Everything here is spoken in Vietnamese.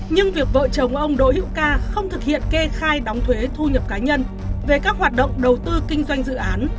nhưng việc vợ chồng ông đỗ hữu ca không thực hiện kê khai đóng thuế thu nhập cá nhân về các hoạt động đầu tư kinh doanh dự án